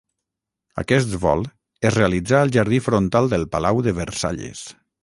Aquest vol es realitzà al jardí frontal del Palau de Versalles.